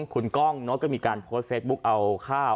คุณกล้องก็มีการโพสต์เฟซบุ๊กเอาข้าว